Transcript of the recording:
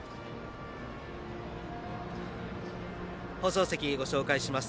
放送席、ご紹介します。